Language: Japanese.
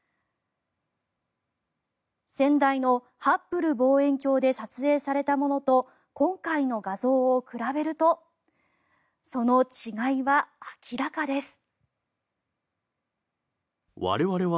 先代のハッブル望遠鏡で撮影されたものと今回の画像を比べるとその違いは明らかです。